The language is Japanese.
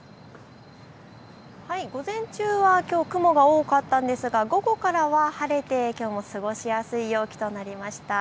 午前中はきょう雲が多かったですが午後からは晴れてきょうも過ごしやすい陽気となりました。